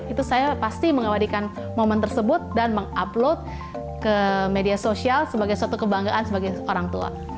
itu saya pasti mengabadikan momen tersebut dan mengupload ke media sosial sebagai suatu kebanggaan sebagai orang tua